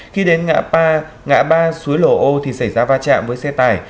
khi đến ngã ba suối lổ âu thì xảy ra va chạm với xe tải